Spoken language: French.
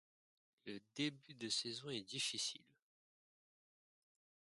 Le début de saison est difficile.